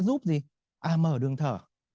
giúp người mua đường thở